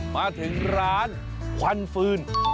มาถึงร้านควันฟืน